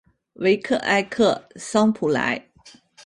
维克埃克桑普莱。